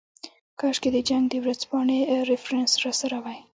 کاشکې د جنګ د ورځپاڼې ریفرنس راسره وای.